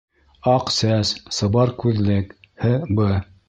Аҡ сәс, сыбар күҙлек һ.б.